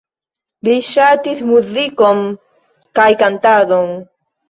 Li ŝatis muzikon kaj kantadon.